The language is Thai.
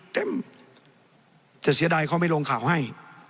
จะเสียดายเขาไม่ลงข่าวให้